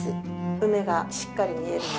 梅がしっかり見えるので。